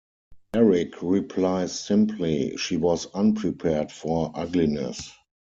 Erik replies simply, She was unprepared for ugliness.